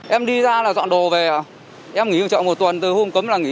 em đi ra là dọn đồ về em nghỉ chọn một tuần từ hôm cấm là nghỉ